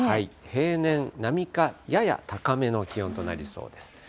平年並みか、やや高めの気温となりそうです。